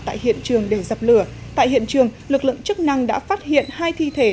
tại hiện trường để dập lửa tại hiện trường lực lượng chức năng đã phát hiện hai thi thể